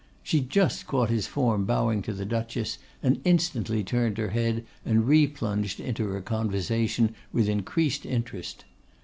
She just caught his form bowing to the Duchess, and instantly turned her head and replunged into her conversation with increased interest.